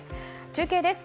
中継です。